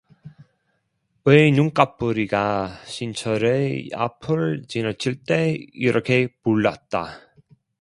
외눈까풀이가 신철의 앞을 지나칠 때 이렇게 불렀다.